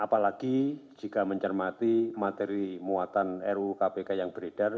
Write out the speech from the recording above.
apalagi jika mencermati materi muatan ru kpk yang beredar